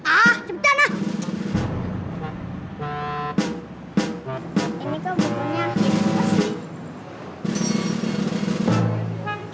ah cepetan ah